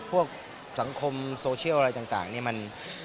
พวกสังคมโซเชียลอะไรต่างนี่มัน